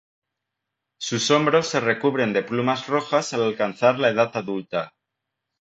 Sus hombros se recubren de plumas rojas al alcanzar la edad adulta.